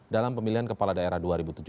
dalam pemilihan kepala daerah dua ribu tujuh belas